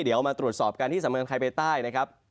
เดี๋ยวมาตรวจสอบกันที่สำคัญใครไปใต้นะครับ